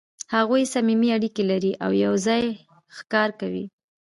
هغوی صمیمي اړیکې لري او یو ځای ښکار کوي.